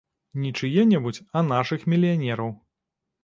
Не чые-небудзь, а нашых мільянераў.